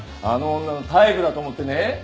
あの女のタイプだと思ってね。